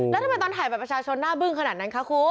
แล้วทำไมตอนถ่ายบัตรประชาชนหน้าบึ้งขนาดนั้นคะคุณ